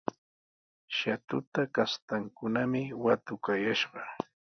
Shatuta kastankunami watukayashqa.